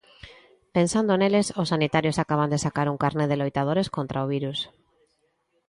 Pensando neles, os sanitarios acaban de sacar un carné de loitadores contra o virus.